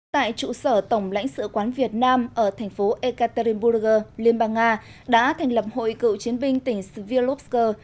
tại trụ sở tổng lãnh sự quán việt nam ở thành phố ekaterinburg liên bang nga đã thành lập hội cựu chiến binh tỉnh svirlovsk